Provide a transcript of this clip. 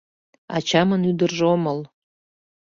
Ачамын ӱдыржӧ омыл